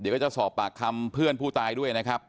เดี๋ยวก็จะสอบปากคำเพื่อนผู้ตายด้วยนะครับ